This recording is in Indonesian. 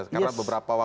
karena beberapa waktu